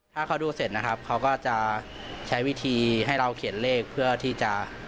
ถ้าเขาดูเสร็จนะครับเขาก็จะใช้วิธีให้เราเขียนเลข